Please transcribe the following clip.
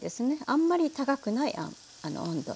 あんまり高くない温度。